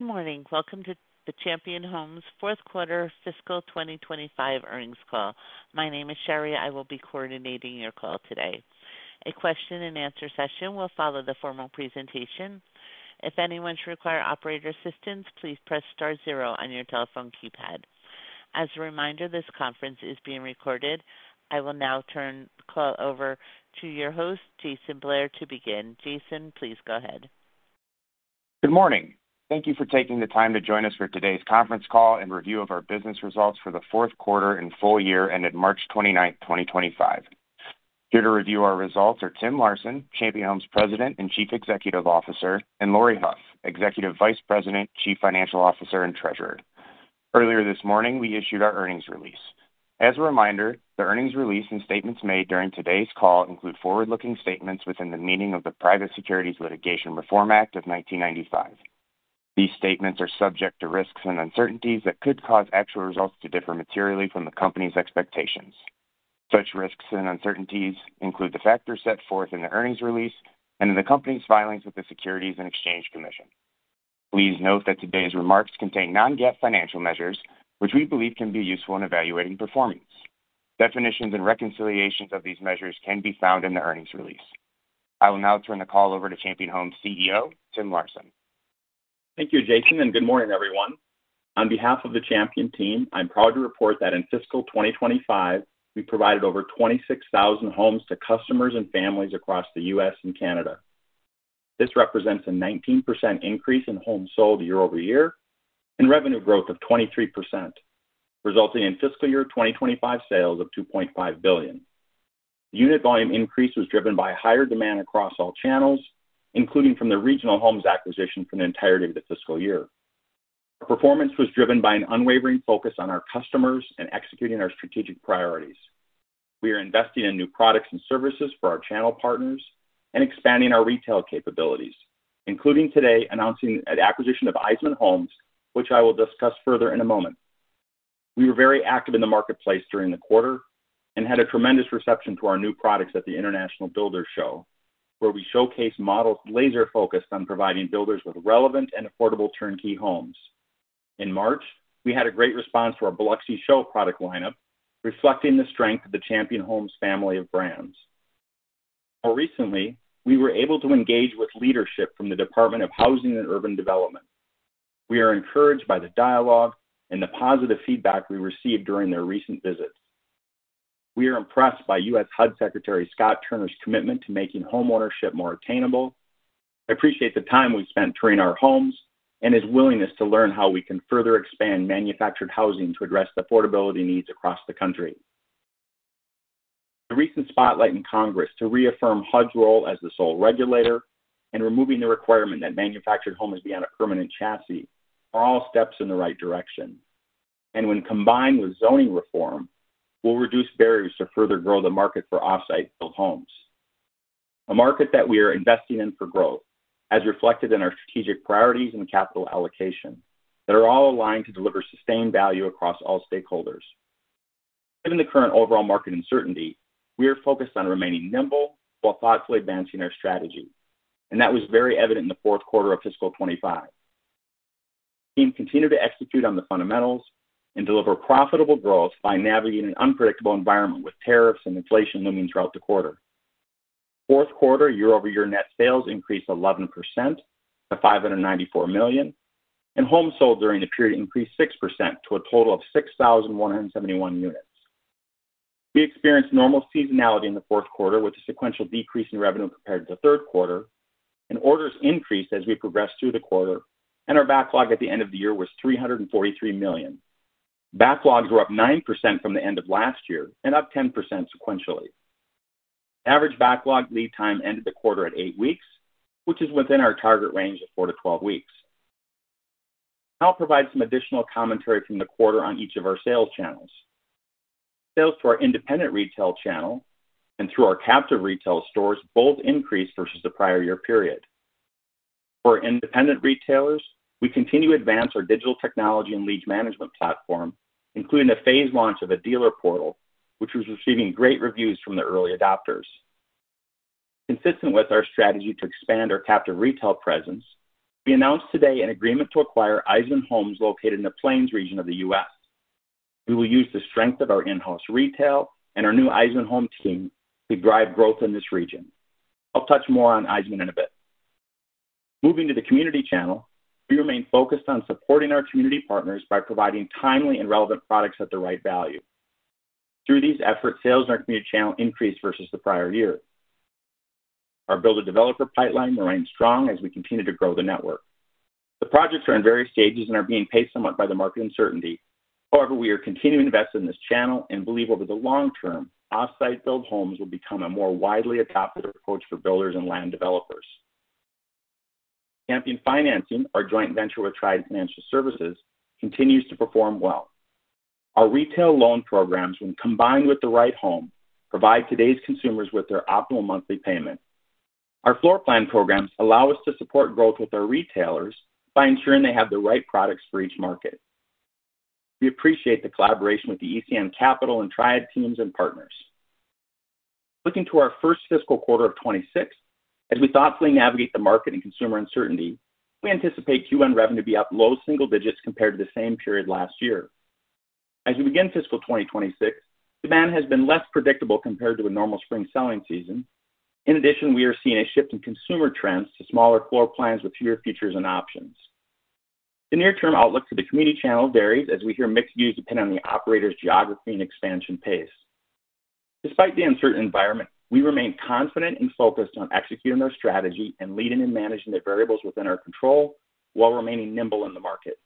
Good morning. Welcome to the Champion Homes' fourth quarter fiscal 2025 earnings call. My name is Sherry. I will be coordinating your call today. A question-and-answer session will follow the formal presentation. If anyone should require operator assistance, please press star zero on your telephone keypad. As a reminder, this conference is being recorded. I will now turn the call over to your host, Jason Blair, to begin. Jason, please go ahead. Good morning. Thank you for taking the time to join us for today's conference call and review of our business results for the fourth quarter and full year ended March 29, 2025. Here to review our results are Tim Larson, Champion Homes President and Chief Executive Officer, and Laurie Hough, Executive Vice President, Chief Financial Officer, and Treasurer. Earlier this morning, we issued our earnings release. As a reminder, the earnings release and statements made during today's call include forward-looking statements within the meaning of the Private Securities Litigation Reform Act of 1995. These statements are subject to risks and uncertainties that could cause actual results to differ materially from the company's expectations. Such risks and uncertainties include the factors set forth in the earnings release and in the company's filings with the Securities and Exchange Commission. Please note that today's remarks contain non-GAAP financial measures, which we believe can be useful in evaluating performance. Definitions and reconciliations of these measures can be found in the earnings release. I will now turn the call over to Champion Homes CEO, Tim Larson. Thank you, Jason, and good morning, everyone. On behalf of the Champion team, I'm proud to report that in fiscal 2025, we provided over 26,000 homes to customers and families across the U.S. and Canada. This represents a 19% increase in homes sold year over year and revenue growth of 23%, resulting in fiscal year 2025 sales of $2.5 billion. The unit volume increase was driven by higher demand across all channels, including from the Regional Homes acquisition for the entirety of the fiscal year. Our performance was driven by an unwavering focus on our customers and executing our strategic priorities. We are investing in new products and services for our channel partners and expanding our retail capabilities, including today announcing an acquisition of Eisman Homes, which I will discuss further in a moment. We were very active in the marketplace during the quarter and had a tremendous reception to our new products at the International Builders Show, where we showcased models laser-focused on providing builders with relevant and affordable turnkey homes. In March, we had a great response to our Biloxi Show product lineup, reflecting the strength of the Champion Homes family of brands. More recently, we were able to engage with leadership from the Department of Housing and Urban Development. We are encouraged by the dialogue and the positive feedback we received during their recent visits. We are impressed by US HUD Secretary Scott Turner's commitment to making homeownership more attainable, appreciate the time we spent touring our homes, and his willingness to learn how we can further expand manufactured housing to address the affordability needs across the country. The recent spotlight in Congress to reaffirm HUD's role as the sole regulator and removing the requirement that manufactured homes be on a permanent chassis are all steps in the right direction. When combined with zoning reform, we will reduce barriers to further grow the market for off-site build homes, a market that we are investing in for growth, as reflected in our strategic priorities and capital allocation that are all aligned to deliver sustained value across all stakeholders. Given the current overall market uncertainty, we are focused on remaining nimble while thoughtfully advancing our strategy, and that was very evident in the fourth quarter of fiscal 2025. We continue to execute on the fundamentals and deliver profitable growth by navigating an unpredictable environment with tariffs and inflation looming throughout the quarter. Fourth quarter year-over-year net sales increased 11% to $594 million, and homes sold during the period increased 6% to a total of 6,171 units. We experienced normal seasonality in the fourth quarter with a sequential decrease in revenue compared to the third quarter, and orders increased as we progressed through the quarter, and our backlog at the end of the year was $343 million. Backlog grew up 9% from the end of last year and up 10% sequentially. Average backlog lead time ended the quarter at eight weeks, which is within our target range of 4-12 weeks. I'll provide some additional commentary from the quarter on each of our sales channels. Sales to our independent retail channel and through our captive retail stores both increased versus the prior year period. For our independent retailers, we continue to advance our digital technology and lead management platform, including a phased launch of a dealer portal, which was receiving great reviews from the early adopters. Consistent with our strategy to expand our captive retail presence, we announced today an agreement to acquire Eisman Homes located in the Plains region of the US. We will use the strength of our in-house retail and our new Eisman Homes team to drive growth in this region. I'll touch more on Eisman in a bit. Moving to the community channel, we remain focused on supporting our community partners by providing timely and relevant products at the right value. Through these efforts, sales in our community channel increased versus the prior year. Our builder-developer pipeline remains strong as we continue to grow the network. The projects are in various stages and are being paced somewhat by the market uncertainty. However, we are continuing to invest in this channel and believe over the long term, off-site build homes will become a more widely adopted approach for builders and land developers. Champion Financing, our joint venture with Triad Financial Services, continues to perform well. Our retail loan programs, when combined with the right home, provide today's consumers with their optimal monthly payment. Our floor plan programs allow us to support growth with our retailers by ensuring they have the right products for each market. We appreciate the collaboration with the ECN Capital and Triad teams and partners. Looking to our first fiscal quarter of 2026, as we thoughtfully navigate the market and consumer uncertainty, we anticipate Q1 revenue to be up low single digits compared to the same period last year. As we begin fiscal 2026, demand has been less predictable compared to a normal spring selling season. In addition, we are seeing a shift in consumer trends to smaller floor plans with fewer features and options. The near-term outlook to the community channel varies as we hear mixed views depending on the operator's geography and expansion pace. Despite the uncertain environment, we remain confident and focused on executing our strategy and leading and managing the variables within our control while remaining nimble in the market.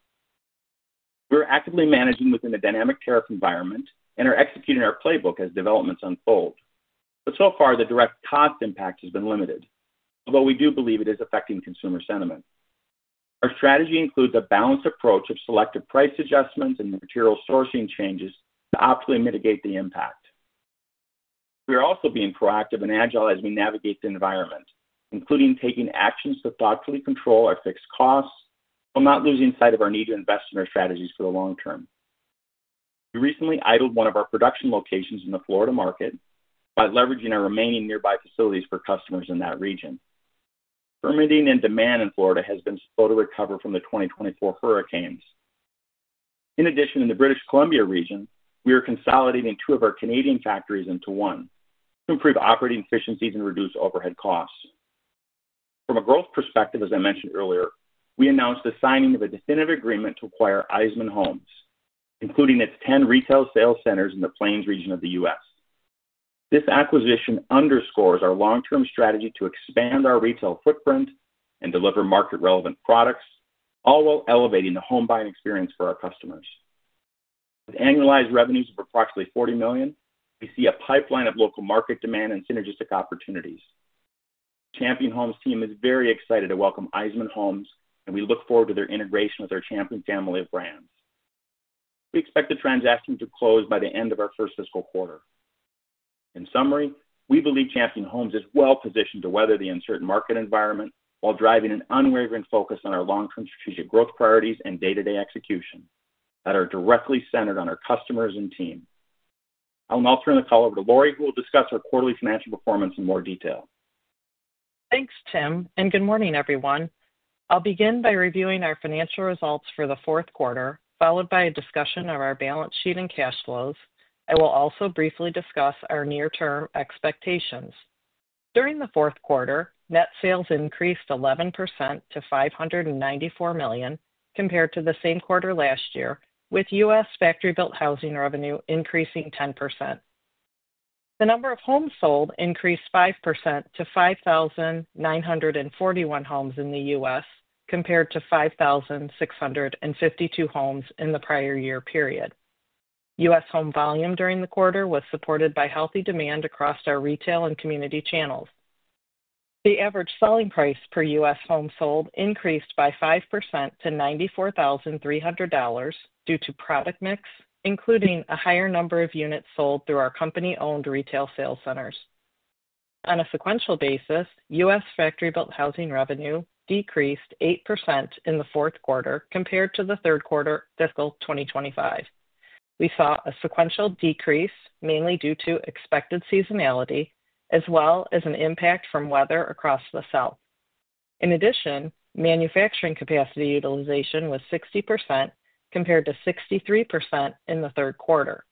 We are actively managing within a dynamic tariff environment and are executing our playbook as developments unfold. So far, the direct cost impact has been limited, although we do believe it is affecting consumer sentiment. Our strategy includes a balanced approach of selective price adjustments and material sourcing changes to optimally mitigate the impact. We are also being proactive and agile as we navigate the environment, including taking actions to thoughtfully control our fixed costs while not losing sight of our need to invest in our strategies for the long term. We recently idled one of our production locations in the Florida market by leveraging our remaining nearby facilities for customers in that region. Permitting and demand in Florida has been slow to recover from the 2024 hurricanes. In addition, in the British Columbia region, we are consolidating two of our Canadian factories into one to improve operating efficiencies and reduce overhead costs. From a growth perspective, as I mentioned earlier, we announced the signing of a definitive agreement to acquire Eisman Homes, including its 10 retail sales centers in the Plains region of the US. This acquisition underscores our long-term strategy to expand our retail footprint and deliver market-relevant products, all while elevating the home buying experience for our customers. With annualized revenues of approximately $40 million, we see a pipeline of local market demand and synergistic opportunities. The Champion Homes team is very excited to welcome Eisman Homes, and we look forward to their integration with our Champion family of brands. We expect the transaction to close by the end of our first fiscal quarter. In summary, we believe Champion Homes is well positioned to weather the uncertain market environment while driving an unwavering focus on our long-term strategic growth priorities and day-to-day execution that are directly centered on our customers and team. I'll now turn the call over to Laurie, who will discuss our quarterly financial performance in more detail. Thanks, Tim, and good morning, everyone. I'll begin by reviewing our financial results for the fourth quarter, followed by a discussion of our balance sheet and cash flows. I will also briefly discuss our near-term expectations. During the fourth quarter, net sales increased 11% to $594 million compared to the same quarter last year, with U.S. factory-built housing revenue increasing 10%. The number of homes sold increased 5% to 5,941 homes in the U.S. compared to 5,652 homes in the prior year period. U.S. home volume during the quarter was supported by healthy demand across our retail and community channels. The average selling price per U.S. home sold increased by 5% to $94,300 due to product mix, including a higher number of units sold through our company-owned retail sales centers. On a sequential basis, US factory-built housing revenue decreased 8% in the fourth quarter compared to the third quarter fiscal 2025. We saw a sequential decrease mainly due to expected seasonality as well as an impact from weather across the South. In addition, manufacturing capacity utilization was 60% compared to 63% in the third quarter.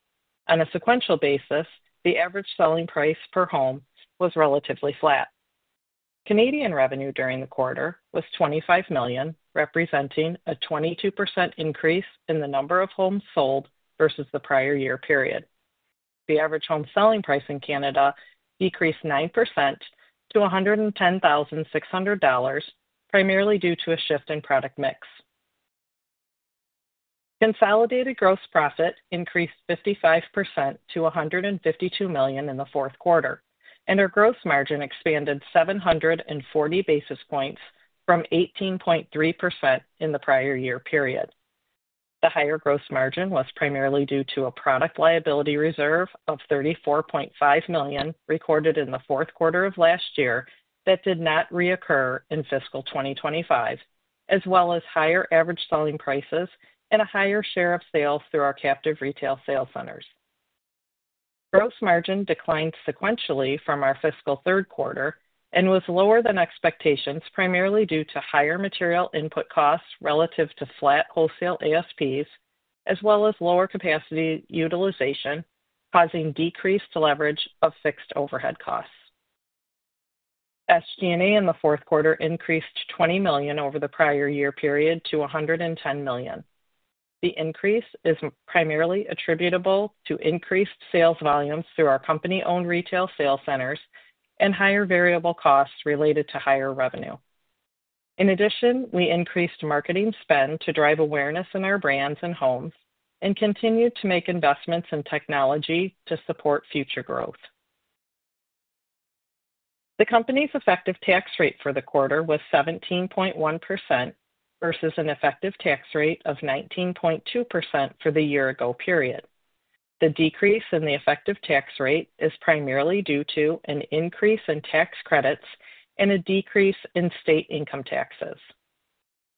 On a sequential basis, the average selling price per home was relatively flat. Canadian revenue during the quarter was 25 million, representing a 22% increase in the number of homes sold versus the prior year period. The average home selling price in Canada decreased 9% to 110,600 dollars, primarily due to a shift in product mix. Consolidated gross profit increased 55% to $152 million in the fourth quarter, and our gross margin expanded 740 basis points from 18.3% in the prior year period. The higher gross margin was primarily due to a product liability reserve of $34.5 million recorded in the fourth quarter of last year that did not reoccur in fiscal 2025, as well as higher average selling prices and a higher share of sales through our captive retail sales centers. Gross margin declined sequentially from our fiscal third quarter and was lower than expectations, primarily due to higher material input costs relative to flat wholesale ASPs, as well as lower capacity utilization, causing decreased leverage of fixed overhead costs. SG&A in the fourth quarter increased $20 million over the prior year period to $110 million. The increase is primarily attributable to increased sales volumes through our company-owned retail sales centers and higher variable costs related to higher revenue. In addition, we increased marketing spend to drive awareness in our brands and homes and continued to make investments in technology to support future growth. The company's effective tax rate for the quarter was 17.1% versus an effective tax rate of 19.2% for the year-ago period. The decrease in the effective tax rate is primarily due to an increase in tax credits and a decrease in state income taxes.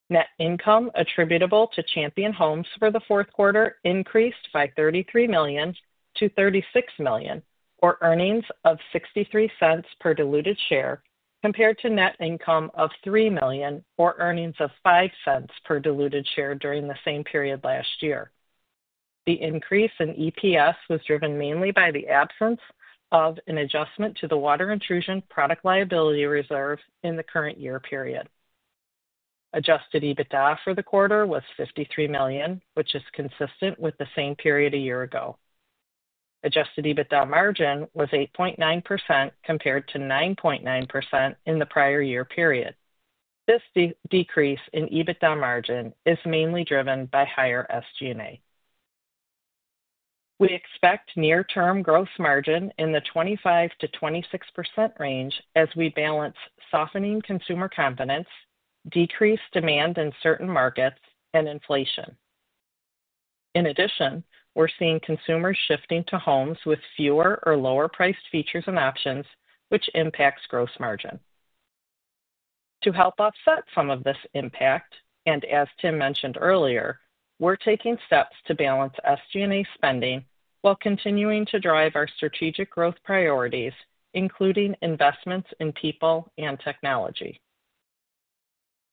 Net income attributable to Champion Homes for the fourth quarter increased by $33 million to $36 million, or earnings of $0.63 per diluted share, compared to net income of $3 million or earnings of $0.05 per diluted share during the same period last year. The increase in EPS was driven mainly by the absence of an adjustment to the water intrusion product liability reserve in the current year period. Adjusted EBITDA for the quarter was $53 million, which is consistent with the same period a year ago. Adjusted EBITDA margin was 8.9% compared to 9.9% in the prior year period. This decrease in EBITDA margin is mainly driven by higher SG&A. We expect near-term gross margin in the 25%-26% range as we balance softening consumer confidence, decreased demand in certain markets, and inflation. In addition, we're seeing consumers shifting to homes with fewer or lower-priced features and options, which impacts gross margin. To help offset some of this impact, and as Tim mentioned earlier, we're taking steps to balance SG&A spending while continuing to drive our strategic growth priorities, including investments in people and technology.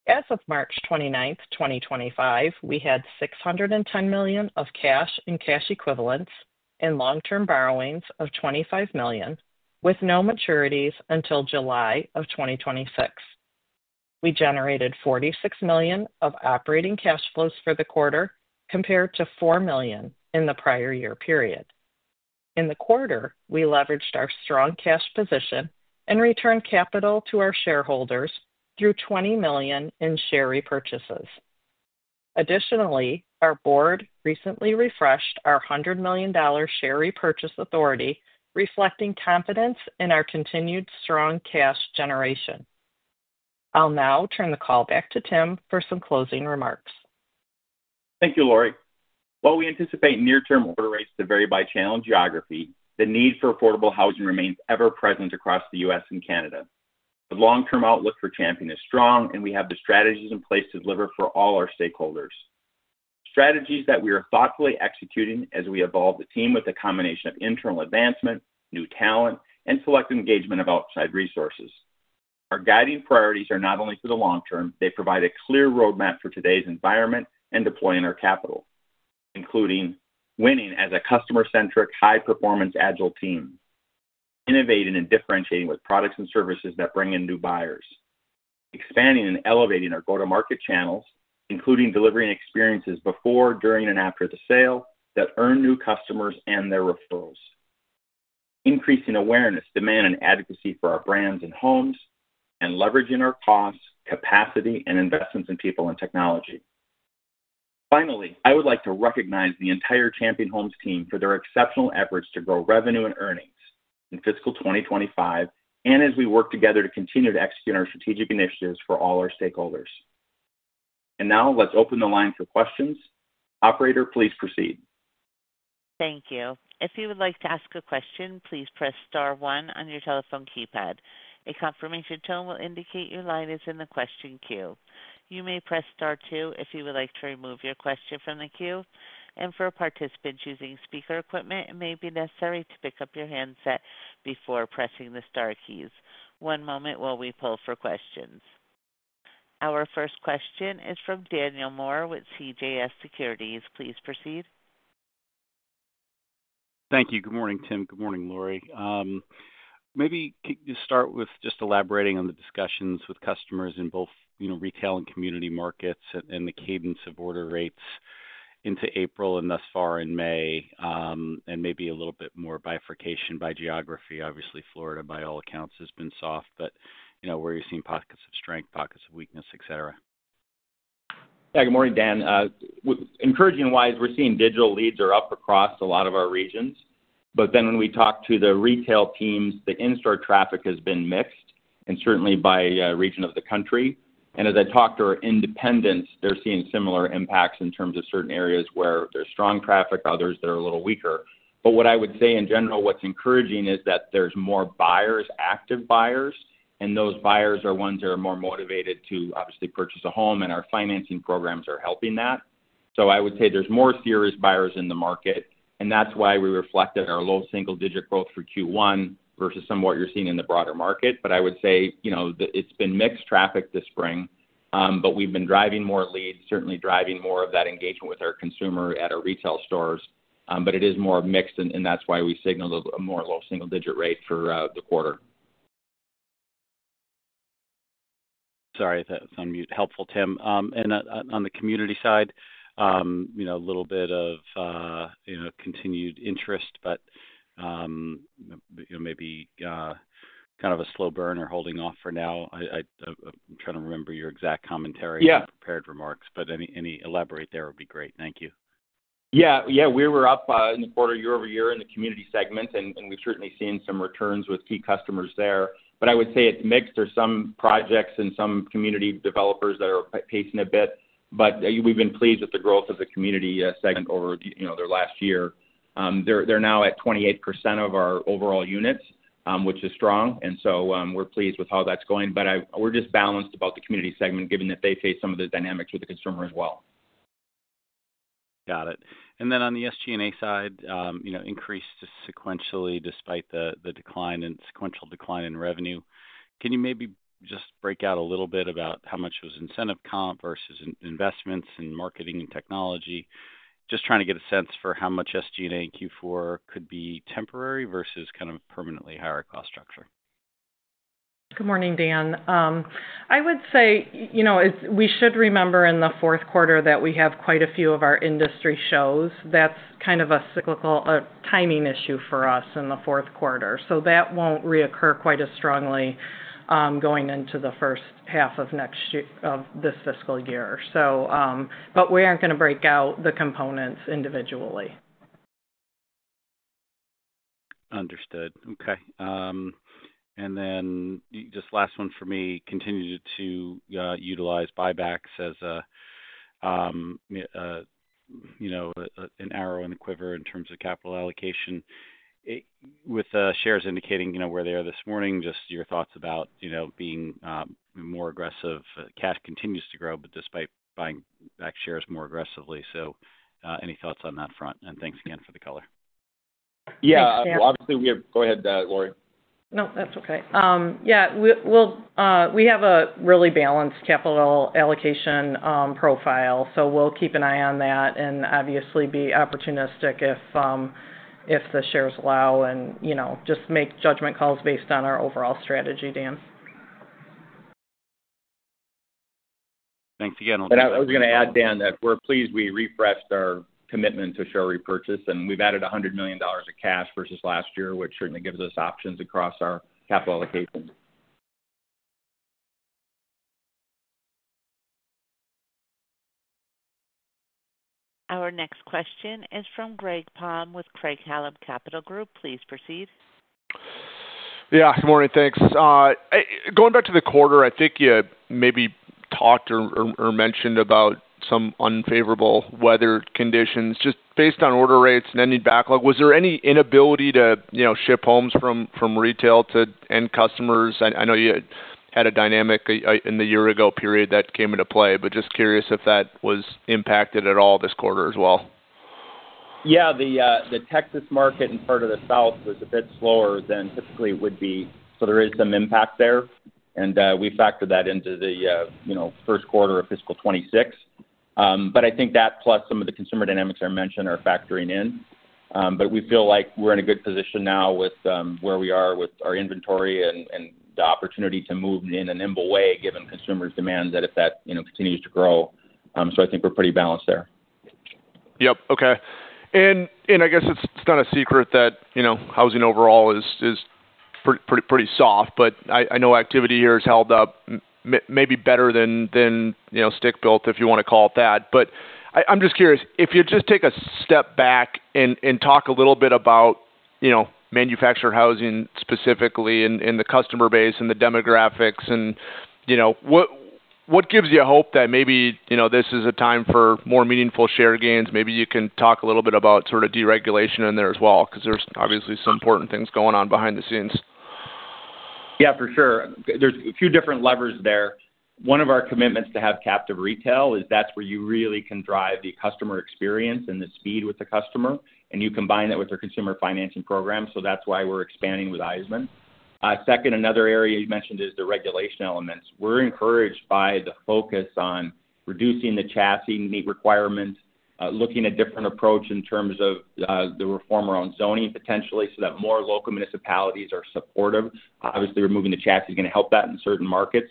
As of March 29, 2025, we had $610 million of cash and cash equivalents and long-term borrowings of $25 million, with no maturities until July of 2026. We generated $46 million of operating cash flows for the quarter compared to $4 million in the prior year period. In the quarter, we leveraged our strong cash position and returned capital to our shareholders through $20 million in share repurchases. Additionally, our board recently refreshed our $100 million share repurchase authority, reflecting confidence in our continued strong cash generation. I'll now turn the call back to Tim for some closing remarks. Thank you, Laurie. While we anticipate near-term order rates to vary by channel geography, the need for affordable housing remains ever-present across the US and Canada. The long-term outlook for Champion is strong, and we have the strategies in place to deliver for all our stakeholders. Strategies that we are thoughtfully executing as we evolve the team with a combination of internal advancement, new talent, and selective engagement of outside resources. Our guiding priorities are not only for the long term, they provide a clear roadmap for today's environment and deploying our capital, including winning as a customer-centric, high-performance, agile team, innovating and differentiating with products and services that bring in new buyers, expanding and elevating our go-to-market channels, including delivering experiences before, during, and after the sale that earn new customers and their referrals, increasing awareness, demand, and advocacy for our brands and homes, and leveraging our costs, capacity, and investments in people and technology. Finally, I would like to recognize the entire Champion Homes team for their exceptional efforts to grow revenue and earnings in fiscal 2025 as we work together to continue to execute our strategic initiatives for all our stakeholders. Now, let's open the line for questions. Operator, please proceed. Thank you. If you would like to ask a question, please press star one on your telephone keypad. A confirmation tone will indicate your line is in the question queue. You may press star two if you would like to remove your question from the queue. For a participant using speaker equipment, it may be necessary to pick up your handset before pressing the Star keys. One moment while we pull for questions. Our first question is from Daniel Moore with CJS Securities. Please proceed. Thank you. Good morning, Tim. Good morning, Laurie. Maybe just start with just elaborating on the discussions with customers in both retail and community markets and the cadence of order rates into April and thus far in May, and maybe a little bit more bifurcation by geography. Obviously, Florida, by all accounts, has been soft, but where you're seeing pockets of strength, pockets of weakness, etc. Yeah, good morning, Dan. Encouraging-wise, we're seeing digital leads are up across a lot of our regions. When we talk to the retail teams, the in-store traffic has been mixed and certainly by region of the country. As I talk to our independents, they're seeing similar impacts in terms of certain areas where there's strong traffic, others that are a little weaker. What I would say in general, what's encouraging is that there's more buyers, active buyers, and those buyers are ones that are more motivated to obviously purchase a home, and our financing programs are helping that. I would say there's more serious buyers in the market, and that's why we reflected our low single-digit growth for Q1 versus some of what you're seeing in the broader market. I would say it's been mixed traffic this spring, but we've been driving more leads, certainly driving more of that engagement with our consumer at our retail stores. It is more mixed, and that's why we signaled a more low single-digit rate for the quarter. Sorry, that sounded helpful, Tim. On the community side, a little bit of continued interest, but maybe kind of a slow burner holding off for now. I'm trying to remember your exact commentary in prepared remarks, but any elaborate there would be great. Thank you. Yeah, yeah, we were up in the quarter year-over-year in the community segment, and we've certainly seen some returns with key customers there. I would say it's mixed. There are some projects and some community developers that are pacing a bit, but we've been pleased with the growth of the community segment over the last year. They're now at 28% of our overall units, which is strong, and we're pleased with how that's going. We're just balanced about the community segment, given that they face some of the dynamics with the consumer as well. Got it. And then on the SG&A side, increased sequentially despite the decline and sequential decline in revenue. Can you maybe just break out a little bit about how much was incentive comp versus investments in marketing and technology? Just trying to get a sense for how much SG&A in Q4 could be temporary versus kind of permanently higher cost structure. Good morning, Dan. I would say we should remember in the fourth quarter that we have quite a few of our industry shows. That's kind of a cyclical timing issue for us in the fourth quarter. That won't reoccur quite as strongly going into the first half of this fiscal year. We aren't going to break out the components individually. Understood. Okay. And then just last one for me, continued to utilize buybacks as an arrow in a quiver in terms of capital allocation. With shares indicating where they are this morning, just your thoughts about being more aggressive. Cash continues to grow, but despite buying back shares more aggressively. Any thoughts on that front? Thanks again for the color. Yeah, obviously we have—go ahead, Laurie. No, that's okay. Yeah, we have a really balanced capital allocation profile, so we'll keep an eye on that and obviously be opportunistic if the shares allow and just make judgment calls based on our overall strategy, Dan. Thanks again. I was going to add, Dan, that we're pleased we refreshed our commitment to share repurchase, and we've added $100 million of cash versus last year, which certainly gives us options across our capital allocation. Our next question is from Greg Palm with Craig Hallum Capital Group. Please proceed. Yeah, good morning. Thanks. Going back to the quarter, I think you maybe talked or mentioned about some unfavorable weather conditions. Just based on order rates and ending backlog, was there any inability to ship homes from retail to end customers? I know you had a dynamic in the year-ago period that came into play, but just curious if that was impacted at all this quarter as well. Yeah, the Texas market and part of the South was a bit slower than typically it would be, so there is some impact there. We factored that into the first quarter of fiscal 2026. I think that, plus some of the consumer dynamics I mentioned, are factoring in. We feel like we're in a good position now with where we are with our inventory and the opportunity to move in a nimble way, given consumers' demand, if that continues to grow. I think we're pretty balanced there. Yep. Okay. I guess it's not a secret that housing overall is pretty soft, but I know activity here has held up maybe better than stick-built, if you want to call it that. I'm just curious, if you just take a step back and talk a little bit about manufactured housing specifically and the customer base and the demographics, what gives you hope that maybe this is a time for more meaningful share gains? Maybe you can talk a little bit about sort of deregulation in there as well, because there's obviously some important things going on behind the scenes. Yeah, for sure. There's a few different levers there. One of our commitments to have captive retail is that's where you really can drive the customer experience and the speed with the customer, and you combine that with our consumer financing program, so that's why we're expanding with Eisman. Second, another area you mentioned is the regulation elements. We're encouraged by the focus on reducing the chassis need requirements, looking at different approaches in terms of the reformer on zoning potentially, so that more local municipalities are supportive. Obviously, removing the chassis is going to help that in certain markets.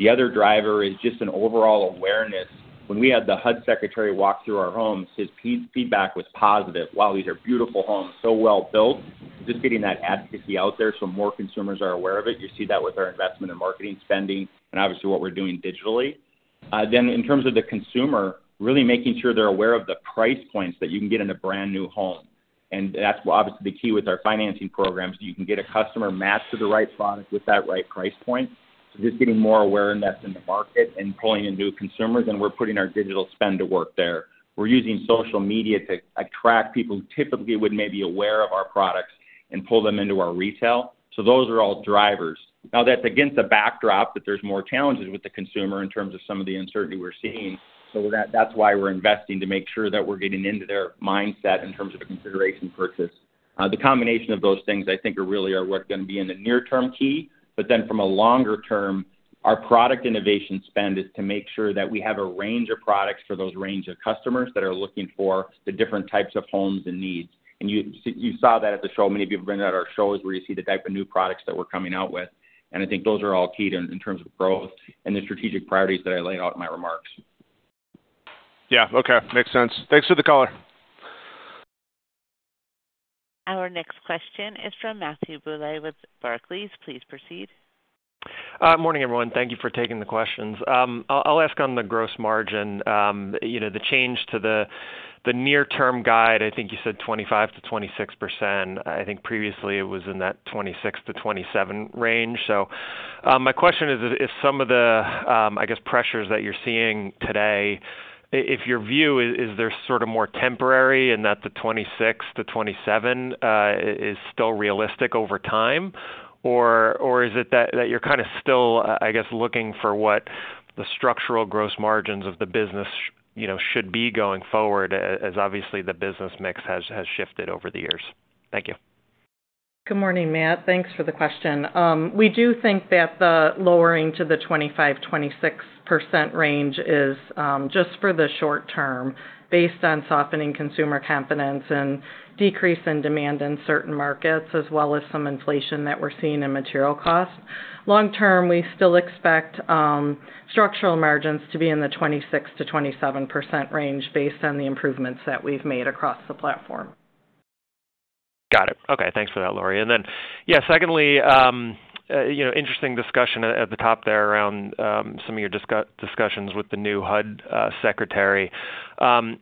The other driver is just an overall awareness. When we had the HUD Secretary walk through our homes, his feedback was positive. Wow, these are beautiful homes, so well-built. Just getting that advocacy out there so more consumers are aware of it. You see that with our investment and marketing spending and obviously what we're doing digitally. In terms of the consumer, really making sure they're aware of the price points that you can get in a brand new home. That's obviously the key with our financing programs, that you can get a customer matched to the right product with that right price point. Just getting more awareness in the market and pulling in new consumers, and we're putting our digital spend to work there. We're using social media to attract people who typically wouldn't maybe be aware of our products and pull them into our retail. Those are all drivers. Now, that's against a backdrop that there's more challenges with the consumer in terms of some of the uncertainty we're seeing. That's why we're investing to make sure that we're getting into their mindset in terms of a consideration purchase. The combination of those things, I think, really are what's going to be in the near-term key. From a longer term, our product innovation spend is to make sure that we have a range of products for those range of customers that are looking for the different types of homes and needs. You saw that at the show. Many of you have been at our shows where you see the type of new products that we're coming out with. I think those are all key in terms of growth and the strategic priorities that I laid out in my remarks. Yeah. Okay. Makes sense. Thanks for the color. Our next question is from Matthew Bouley with Barclays. Please proceed. Morning, everyone. Thank you for taking the questions. I'll ask on the gross margin. The change to the near-term guide, I think you said 25%-26%. I think previously it was in that 26%-27% range. My question is, if some of the, I guess, pressures that you're seeing today, if your view is they're sort of more temporary and that the 26%-27% is still realistic over time, or is it that you're kind of still, I guess, looking for what the structural gross margins of the business should be going forward, as obviously the business mix has shifted over the years? Thank you. Good morning, Matt. Thanks for the question. We do think that the lowering to the 25-26% range is just for the short term, based on softening consumer confidence and decrease in demand in certain markets, as well as some inflation that we're seeing in material costs. Long term, we still expect structural margins to be in the 26-27% range based on the improvements that we've made across the platform. Got it. Okay. Thanks for that, Laurie. Secondly, interesting discussion at the top there around some of your discussions with the new HUD Secretary.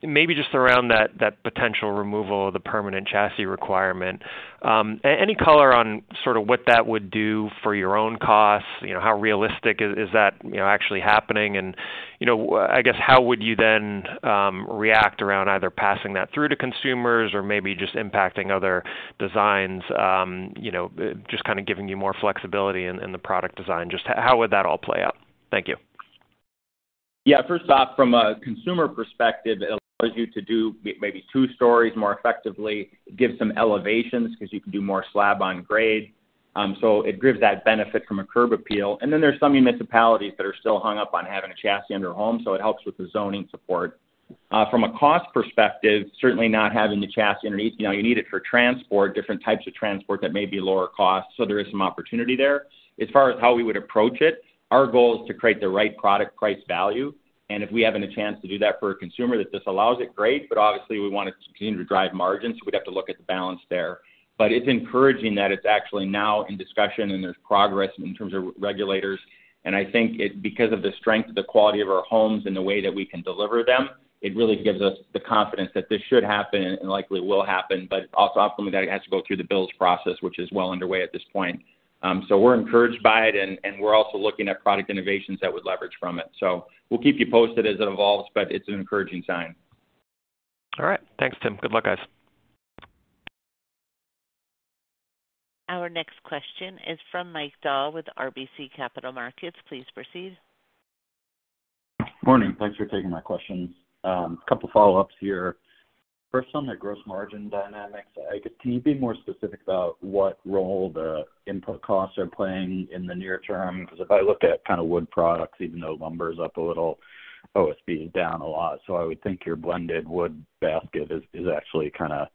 Maybe just around that potential removal of the permanent chassis requirement. Any color on sort of what that would do for your own costs? How realistic is that actually happening? I guess, how would you then react around either passing that through to consumers or maybe just impacting other designs, just kind of giving you more flexibility in the product design? Just how would that all play out? Thank you. Yeah. First off, from a consumer perspective, it allows you to do maybe two stories more effectively, give some elevations because you can do more slab on grade. It gives that benefit from a curb appeal. There are some municipalities that are still hung up on having a chassis under home, so it helps with the zoning support. From a cost perspective, certainly not having the chassis underneath, you need it for transport, different types of transport that may be lower cost, so there is some opportunity there. As far as how we would approach it, our goal is to create the right product price value. If we have any chance to do that for a consumer, that this allows it, great. Obviously, we want to continue to drive margins, so we would have to look at the balance there. It is encouraging that it is actually now in discussion and there is progress in terms of regulators. I think because of the strength of the quality of our homes and the way that we can deliver them, it really gives us the confidence that this should happen and likely will happen, but also offering that it has to go through the bills process, which is well underway at this point. We are encouraged by it, and we are also looking at product innovations that would leverage from it. We will keep you posted as it evolves, but it is an encouraging sign. All right. Thanks, Tim. Good luck, guys. Our next question is from Mike Dahl with RBC Capital Markets. Please proceed. Morning. Thanks for taking my questions. A couple of follow-ups here. First on the gross margin dynamics, I guess, can you be more specific about what role the input costs are playing in the near term? Because if I look at kind of wood products, even though lumber is up a little, OSB is down a lot. I would think your blended wood basket is actually kind of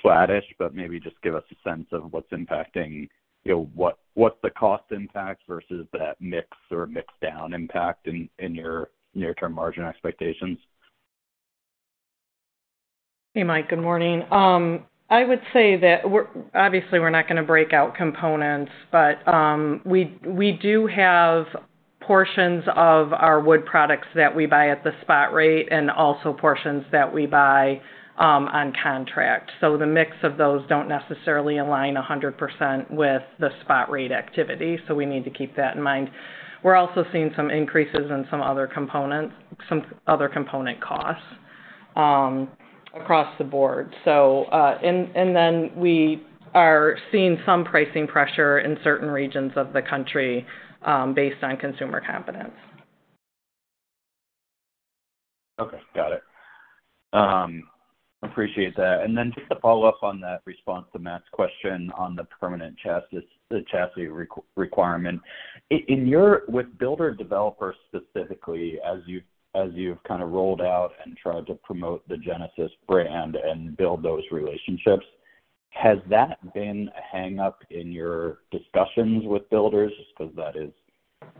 flattish, but maybe just give us a sense of what's impacting, what's the cost impact versus that mix or mixed down impact in your near-term margin expectations. Hey, Mike. Good morning. I would say that obviously we're not going to break out components, but we do have portions of our wood products that we buy at the spot rate and also portions that we buy on contract. The mix of those do not necessarily align 100% with the spot rate activity, so we need to keep that in mind. We're also seeing some increases in some other component costs across the board. We are seeing some pricing pressure in certain regions of the country based on consumer confidence. Okay. Got it. Appreciate that. Just to follow up on that response to Matt's question on the permanent chassis, the chassis requirement. With builder developers specifically, as you've kind of rolled out and tried to promote the Genesis brand and build those relationships, has that been a hang-up in your discussions with builders because that is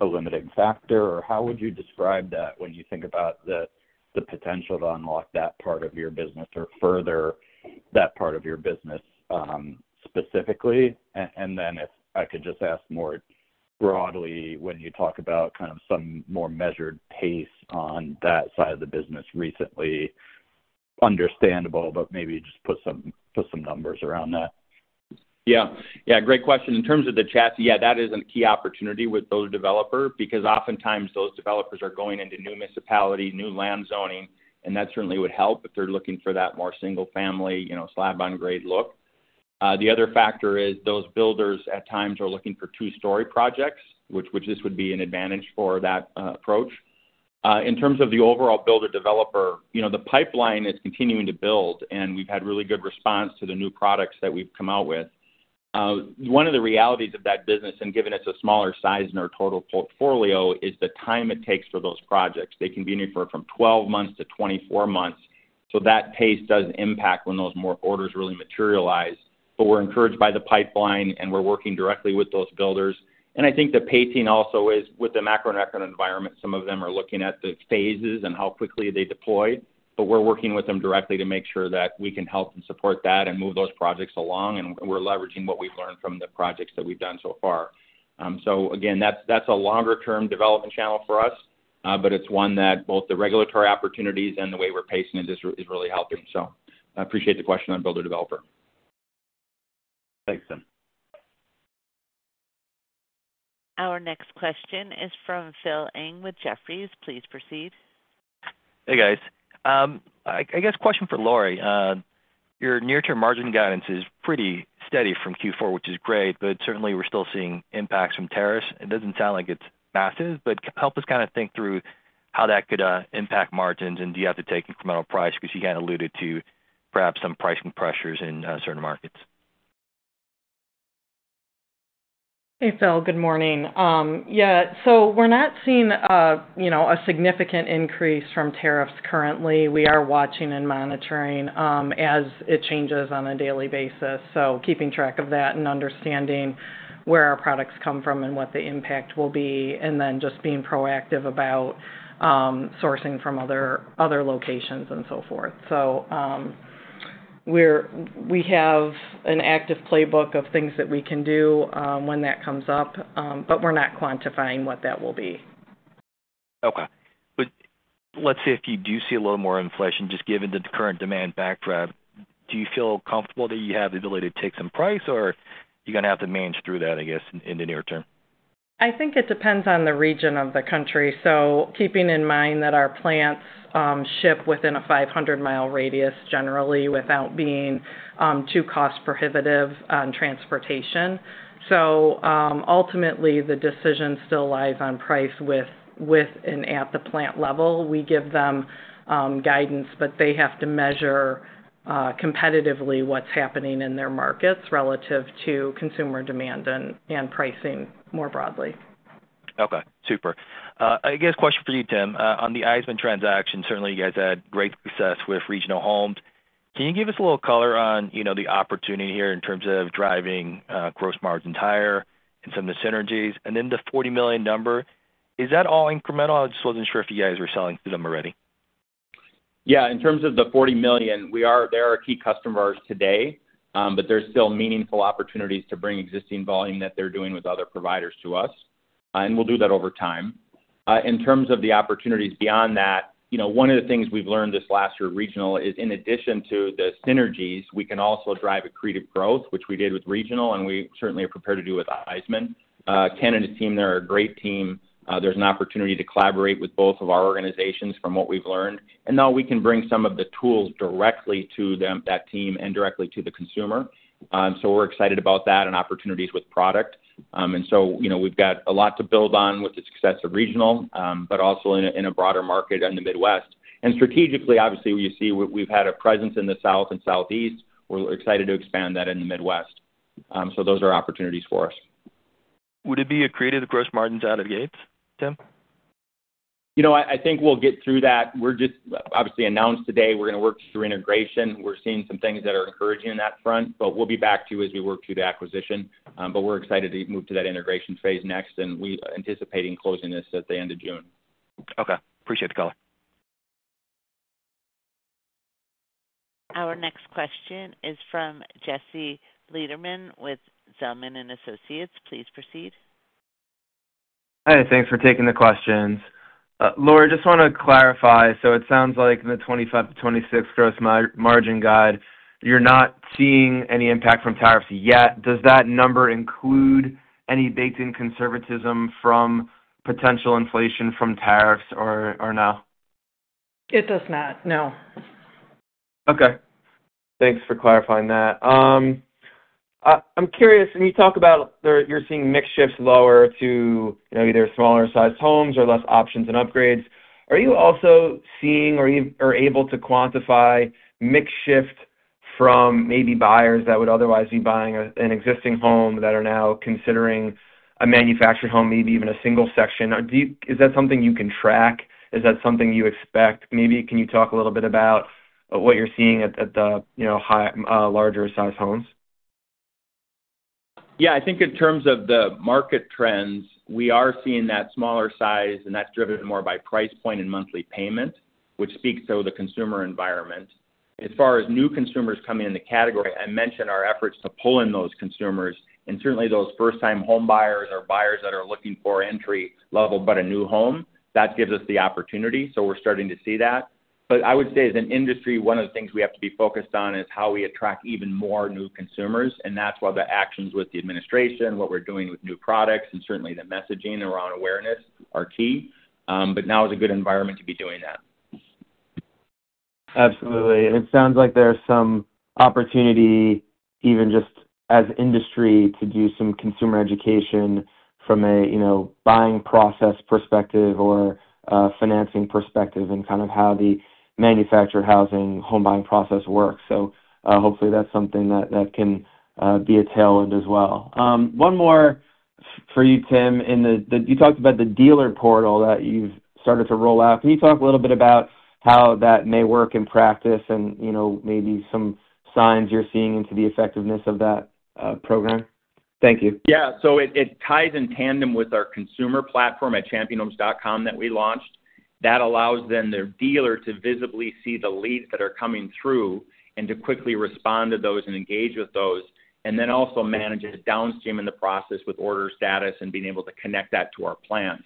a limiting factor? How would you describe that when you think about the potential to unlock that part of your business or further that part of your business specifically? If I could just ask more broadly, when you talk about kind of some more measured pace on that side of the business recently, understandable, but maybe just put some numbers around that. Yeah. Yeah. Great question. In terms of the chassis, yeah, that is a key opportunity with those developers because oftentimes those developers are going into new municipalities, new land zoning, and that certainly would help if they are looking for that more single-family slab-on-grade look. The other factor is those builders at times are looking for two-story projects, which this would be an advantage for that approach. In terms of the overall builder developer, the pipeline is continuing to build, and we have had really good response to the new products that we have come out with. One of the realities of that business, and given it is a smaller size in our total portfolio, is the time it takes for those projects. They can be anywhere from 12-24 months. That pace does impact when those orders really materialize. We're encouraged by the pipeline, and we're working directly with those builders. I think the pacing also is with the macro and macro environment, some of them are looking at the phases and how quickly they deploy. We're working with them directly to make sure that we can help and support that and move those projects along. We're leveraging what we've learned from the projects that we've done so far. Again, that's a longer-term development channel for us, but it's one that both the regulatory opportunities and the way we're pacing it is really helping. I appreciate the question on builder developer. Thanks, Tim. Our next question is from Phil Ng with Jefferies. Please proceed. Hey, guys. I guess question for Laurie. Your near-term margin guidance is pretty steady from Q4, which is great, but certainly we're still seeing impacts from tariffs. It doesn't sound like it's massive, but help us kind of think through how that could impact margins and do you have to take incremental price because you kind of alluded to perhaps some pricing pressures in certain markets. Hey, Phil. Good morning. Yeah. We are not seeing a significant increase from tariffs currently. We are watching and monitoring as it changes on a daily basis. Keeping track of that and understanding where our products come from and what the impact will be, and just being proactive about sourcing from other locations and so forth. We have an active playbook of things that we can do when that comes up, but we are not quantifying what that will be. Okay. Let's see if you do see a little more inflation just given the current demand backdrop. Do you feel comfortable that you have the ability to take some price, or are you going to have to manage through that, I guess, in the near term? I think it depends on the region of the country. Keeping in mind that our plants ship within a 500 mi radius generally without being too cost-prohibitive on transportation. Ultimately, the decision still lies on price with and at the plant level. We give them guidance, but they have to measure competitively what is happening in their markets relative to consumer demand and pricing more broadly. Okay. Super. I guess question for you, Tim. On the Eisman transaction, certainly you guys had great success with Regional Homes. Can you give us a little color on the opportunity here in terms of driving gross margins higher and some of the synergies? And then the $40 million number, is that all incremental? I just wasn't sure if you guys were selling to them already. Yeah. In terms of the $40 million, they are key customers today, but there are still meaningful opportunities to bring existing volume that they are doing with other providers to us. We will do that over time. In terms of the opportunities beyond that, one of the things we have learned this last year with Regional is in addition to the synergies, we can also drive accretive growth, which we did with Regional, and we certainly are prepared to do with Eisman. Ken and his team, they are a great team. There is an opportunity to collaborate with both of our organizations from what we have learned. Now we can bring some of the tools directly to that team and directly to the consumer. We are excited about that and opportunities with product. We have a lot to build on with the success of Regional, but also in a broader market in the Midwest.Strategically, obviously, we see we've had a presence in the South and Southeast. We're excited to expand that in the Midwest. Those are opportunities for us. Would it be accretive gross margins out of gates, Tim? I think we'll get through that. We just obviously announced today we're going to work through integration. We're seeing some things that are encouraging in that front, but we'll be back to you as we work through the acquisition. We're excited to move to that integration phase next, and we're anticipating closing this at the end of June. Okay. Appreciate the call. Our next question is from Jesse Lederman with Zelman and Associates. Please proceed. Hi. Thanks for taking the questions. Laurie, I just want to clarify. So it sounds like in the 25%-26% gross margin guide, you're not seeing any impact from tariffs yet. Does that number include any baked-in conservatism from potential inflation from tariffs or no? It does not. No. Okay. Thanks for clarifying that. I'm curious, when you talk about you're seeing mix shifts lower to either smaller-sized homes or less options and upgrades, are you also seeing or able to quantify mix shift from maybe buyers that would otherwise be buying an existing home that are now considering a manufactured home, maybe even a single section? Is that something you can track? Is that something you expect? Maybe can you talk a little bit about what you're seeing at the larger-sized homes? Yeah. I think in terms of the market trends, we are seeing that smaller size, and that's driven more by price point and monthly payment, which speaks to the consumer environment. As far as new consumers coming in the category, I mentioned our efforts to pull in those consumers. And certainly, those first-time home buyers are buyers that are looking for entry-level, but a new home. That gives us the opportunity. So we're starting to see that. I would say as an industry, one of the things we have to be focused on is how we attract even more new consumers. That's why the actions with the administration, what we're doing with new products, and certainly the messaging around awareness are key. Now is a good environment to be doing that. Absolutely. It sounds like there's some opportunity even just as industry to do some consumer education from a buying process perspective or financing perspective and kind of how the manufactured housing home buying process works. Hopefully, that's something that can be a tailwind as well. One more for you, Tim. You talked about the dealer portal that you've started to roll out. Can you talk a little bit about how that may work in practice and maybe some signs you're seeing into the effectiveness of that program? Thank you. Yeah. It ties in tandem with our consumer platform at championhomes.com that we launched. That allows then the dealer to visibly see the leads that are coming through and to quickly respond to those and engage with those, and then also manage it downstream in the process with order status and being able to connect that to our plans.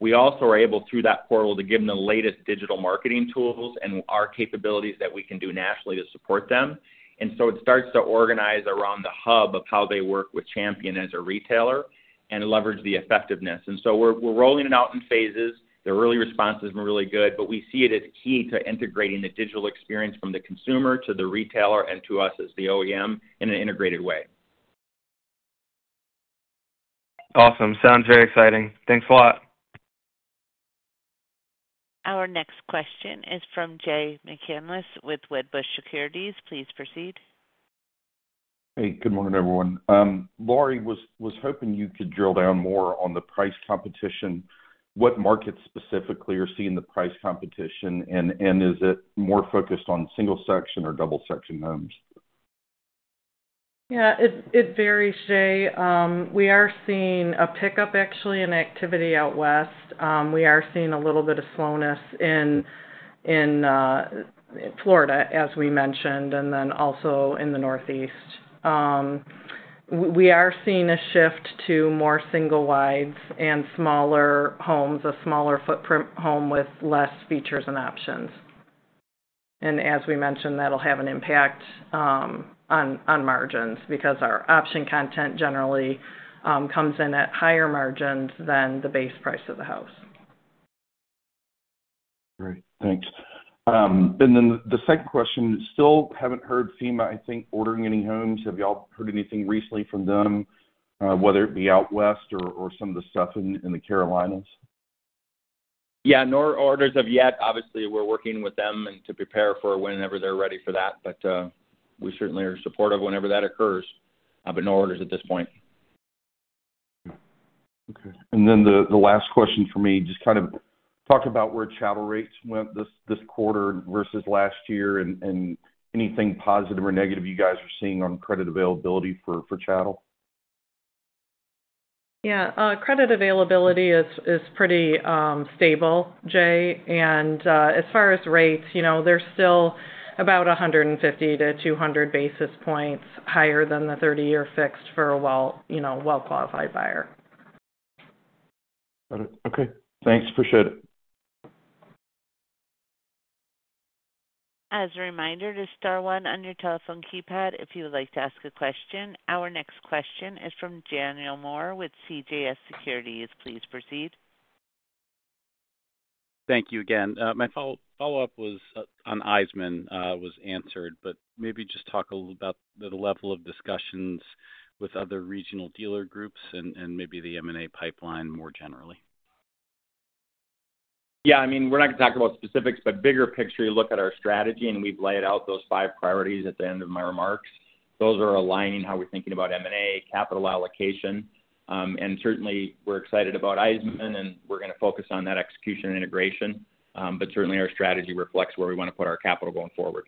We also are able through that portal to give them the latest digital marketing tools and our capabilities that we can do nationally to support them. It starts to organize around the hub of how they work with Champion as a retailer and leverage the effectiveness. We are rolling it out in phases. The early responses have been really good, but we see it as key to integrating the digital experience from the consumer to the retailer and to us as the OEM in an integrated way. Awesome. Sounds very exciting. Thanks a lot. Our next question is from Jay McCanless with Wedbush Securities. Please proceed. Hey, good morning, everyone. Laurie, was hoping you could drill down more on the price competition. What markets specifically are seeing the price competition, and is it more focused on single-section or double-section homes? Yeah. It varies, Jay. We are seeing a pickup, actually, in activity out West. We are seeing a little bit of slowness in Florida, as we mentioned, and then also in the Northeast. We are seeing a shift to more single-section and smaller homes, a smaller footprint home with less features and options. As we mentioned, that'll have an impact on margins because our option content generally comes in at higher margins than the base price of the house. Great. Thanks. Then the second question, still have not heard FEMA, I think, ordering any homes. Have y'all heard anything recently from them, whether it be out west or some of the stuff in the Carolinas? Yeah. No orders as of yet. Obviously, we're working with them to prepare for whenever they're ready for that, but we certainly are supportive whenever that occurs. No orders at this point. Okay. And then the last question for me, just kind of talk about where channel rates went this quarter versus last year and anything positive or negative you guys are seeing on credit availability for channel. Yeah. Credit availability is pretty stable, Jay. As far as rates, they're still about 150-200 basis points higher than the 30-year fixed for a well-qualified buyer. Got it. Okay. Thanks. Appreciate it. As a reminder, press star one on your telephone keypad if you would like to ask a question. Our next question is from Daniel Moore with CJS Securities. Please proceed. Thank you again. My follow-up on Eisman was answered, but maybe just talk a little about the level of discussions with other regional dealer groups and maybe the M&A pipeline more generally. Yeah. I mean, we're not going to talk about specifics, but bigger picture, you look at our strategy, and we've laid out those five priorities at the end of my remarks. Those are aligning how we're thinking about M&A, capital allocation. And certainly, we're excited about Eisman, and we're going to focus on that execution and integration. But certainly, our strategy reflects where we want to put our capital going forward.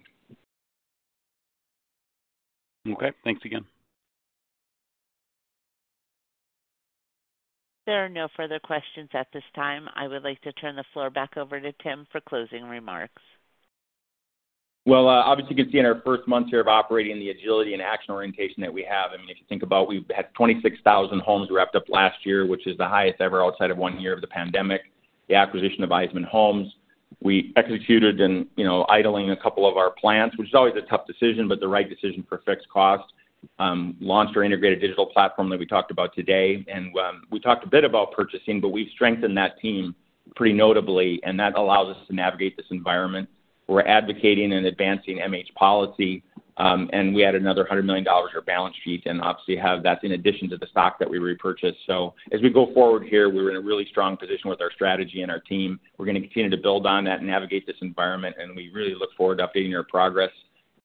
Okay. Thanks again. There are no further questions at this time. I would like to turn the floor back over to Tim for closing remarks. Obviously, you can see in our first month here of operating the agility and action orientation that we have. I mean, if you think about it, we had 26,000 homes wrapped up last year, which is the highest ever outside of one year of the pandemic. The acquisition of Eisman Homes. We executed and idled a couple of our plants, which is always a tough decision, but the right decision for fixed cost. Launched our integrated digital platform that we talked about today. We talked a bit about purchasing, but we've strengthened that team pretty notably, and that allows us to navigate this environment. We're advocating and advancing MH policy. We added another $100 million to our balance sheet and obviously have that in addition to the stock that we repurchased. As we go forward here, we're in a really strong position with our strategy and our team. We're going to continue to build on that and navigate this environment, and we really look forward to updating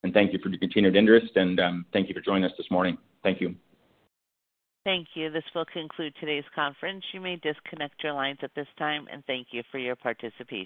your progress. Thank you for your continued interest, and thank you for joining us this morning. Thank you. Thank you. This will conclude today's conference. You may disconnect your lines at this time, and thank you for your participation.